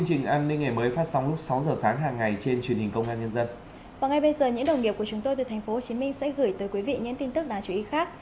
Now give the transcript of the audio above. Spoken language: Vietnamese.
thành phố hồ chí minh sẽ gửi tới quý vị những tin tức đáng chú ý khác